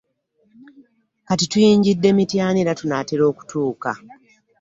Kati tuyingidde Mityana era tunaatera okutuuka.